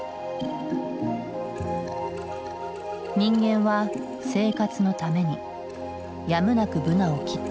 人間は生活のためにやむなくブナを切った。